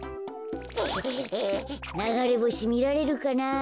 ながれぼしみられるかな。